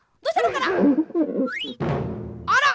あら！